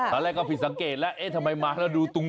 ทั้งหน้าก็ผิดสังเกตแล้วทำไมมันต้องดูตุง